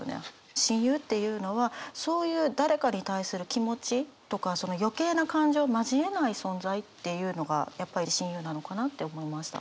親友っていうのはそういう誰かに対する気持ちとか余計な感情を交えない存在っていうのがやっぱり親友なのかなって思いました。